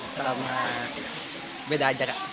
sama beda aja kak